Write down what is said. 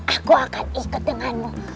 aku akan ikut denganmu